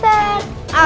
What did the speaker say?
nah boleh lah